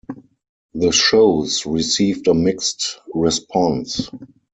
The shows received a mixed response.